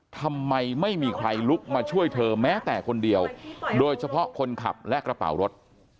ทำไมไม่มีใครลุกมาช่วยเธอแม้แต่คนเดียวโดยเฉพาะคนขับและกระเป๋ารถ